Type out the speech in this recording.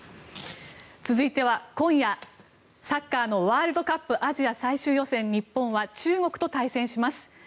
続いては今夜、サッカーのワールドカップアジア最終予選日本は中国と対戦します。